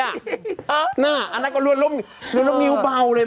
อันนั้นก็รวดล้มนิ้วเบาเลย